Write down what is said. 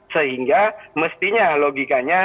sehingga mestinya logikanya